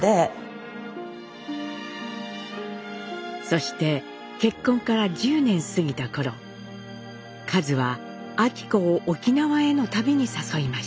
そして結婚から１０年過ぎた頃かづは昭子を沖縄への旅に誘いました。